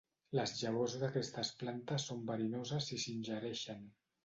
Les llavors d'aquestes plantes són verinoses si s'ingereixen.